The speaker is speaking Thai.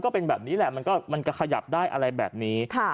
ก็เป็นแบบนี้แหละมันก็ขยับได้อะไรแบบนี้